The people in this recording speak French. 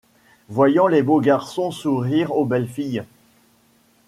Voyant les beaux garçons sourire aux belles filles